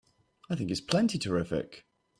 I think it's plenty terrific!